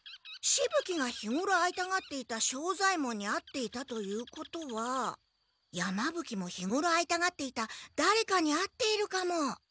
しぶ鬼が日ごろ会いたがっていた庄左ヱ門に会っていたということは山ぶ鬼も日ごろ会いたがっていただれかに会っているかも。